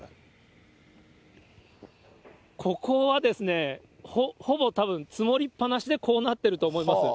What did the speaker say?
ここはですね、ほぼ多分積もりっぱなしでこうなってると思います。